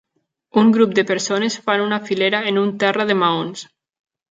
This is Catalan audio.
Un grup de persones fan una filera en un terra de maons.